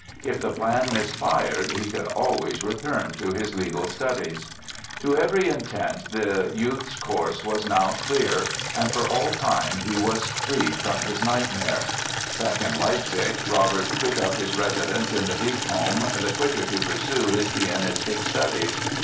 If the plan misfired he could always return to his legal studies. To every intent the youth's course was now clear and, for all time, he was freed from his nightmare. Back in Leipzig Robert took up his residence in the Wieck home, the quicker to pursue his pianistic studies.